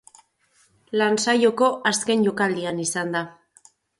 Lan saioko azken jokaldian izan da.